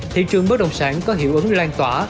thị trường bất động sản có hiệu ứng lan tỏa